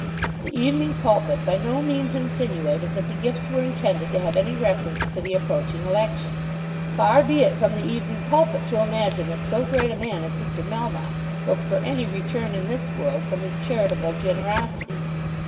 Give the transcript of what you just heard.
The "Evening Pulpit" by no means insinuated that the gifts were intended to have any reference to the approaching election. Far be it from the "Evening Pulpit" to imagine that so great a man as Mr. Melmotte looked for any return in this world from his charitable generosity.